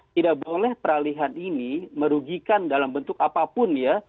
tidak boleh peralihan ini merugikan dalam bentuk apapun ya